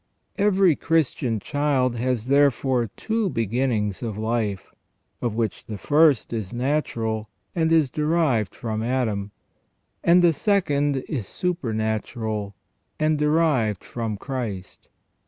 Every Christian child has therefore two beginnings of life, of which the first is natural, and is derived from Adam, and the second is supernatural, and derived from Christ.